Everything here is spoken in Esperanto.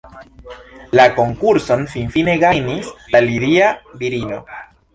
La konkurson finfine gajnis la lidia virino.